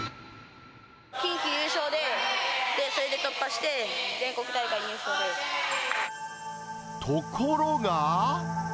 近畿優勝で、それで突破して、ところが。